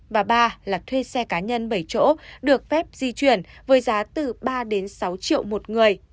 và ba là thuê xe cá nhân bảy chỗ được phép di chuyển với giá từ ba đến sáu triệu một người